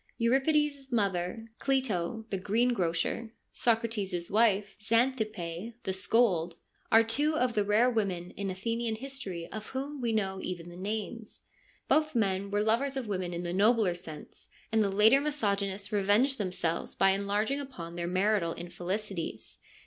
Euripides' mother, Cleito ' the greengrocer/ Socrates' wife, Xanthippe ' the scold/ are two of the rare women in Athenian history of whom we know even the names. Both men were lovers of women in the nobler sense, and the later misogynists revenged themselves by en larging upon their marital infelicities.